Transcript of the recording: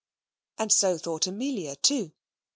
And so thought Amelia, too.